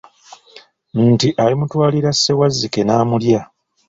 Nti alimutwaLira Ssewazzike namulya.